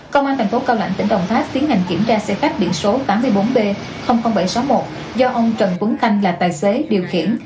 công an thành phố cao lãnh tỉnh đồng tháp tiến hành kiểm tra xe khách biển số tám mươi bốn b bảy trăm sáu mươi một do ông trần tuấn khanh là tài xế điều khiển